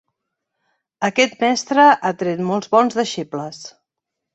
Aquest mestre ha tret molt bons deixebles.